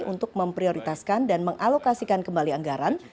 untuk memprioritaskan dan mengalokasikan kembali anggaran